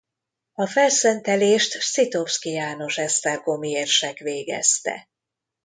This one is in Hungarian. A felszentelést Scitovszky János esztergomi érsek végezte.